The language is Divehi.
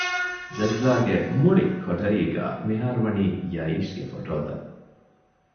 ޖަޒްލާގެ މުޅި ކޮޓަރީގައި މިހާރުވަނީ ޔައީޝްގެ ފޮޓޯތައް